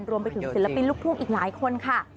รวมไปถึงศิลปินลูกทุ่งอีกหลายคนค่ะ